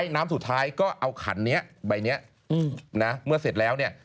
น้ำสุดท้ายก็เอาขันนี้ใบเนี่ยมันเผ็ดแล้วเนี่ย